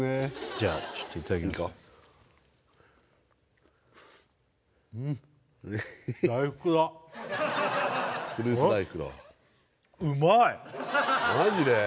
じゃあちょっといただきますいこうフルーツ大福だわあっマジで？